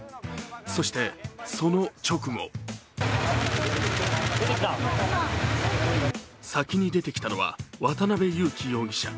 そして、その直後先に出てきたのは渡辺優樹容疑者。